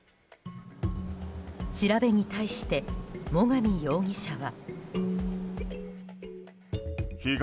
調べに対して最上容疑者は。